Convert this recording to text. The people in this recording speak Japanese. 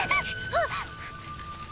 あっ！